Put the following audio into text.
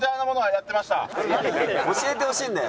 教えてほしいんだよ。